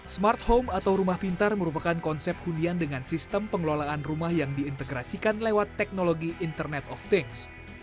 smart home atau rumah pintar merupakan konsep hunian dengan sistem pengelolaan rumah yang diintegrasikan lewat teknologi internet of things